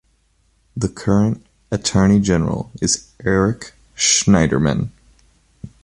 The current Attorney General is Eric Schneiderman.